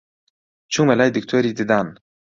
چوومە لای دکتۆری ددان